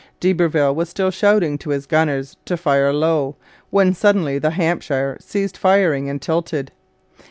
D'Iberville was still shouting to his gunners to fire low, when suddenly the Hampshire ceased firing and tilted.